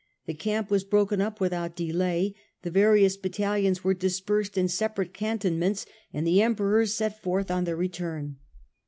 The camp was broken up without delay ; the vario\is battalions were dispersed in separate cantonments ; and the Emperors set forth on their return.